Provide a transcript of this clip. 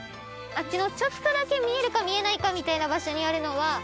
あっちのちょっとだけ見えるか見えないかみたいな場所にあるのは。